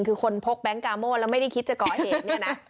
คือคนพกแบงค์กาโม่แล้วไม่ได้คิดจะก่อเหตุเนี่ยนะ